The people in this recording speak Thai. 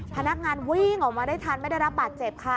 พนักงานวิ่งออกมาได้ทันไม่ได้รับบาดเจ็บค่ะ